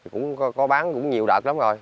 cũng có bán cũng nhiều đợt lắm rồi